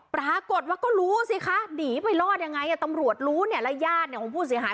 ปรากฏว่าก็รู้สิคะหนีไปรอดยังไงตำรวจรู้แล้วยาดของผู้เสียหาย